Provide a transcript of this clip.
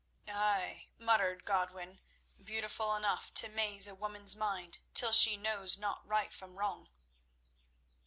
"Ay," muttered Godwin; "beautiful enough to maze a woman's mind till she knows not right from wrong."